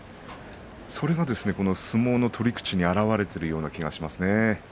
それが相撲の取り口に表れているような気がします。